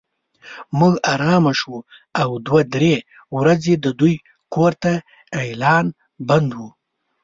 موږ ارامه شوو او دوه درې ورځې د دوی کور ته اعلان بند و.